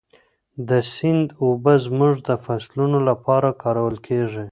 د سیند اوبه زموږ د فصلونو لپاره کارول کېږي.